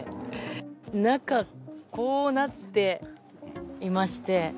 中、こうなっていまして。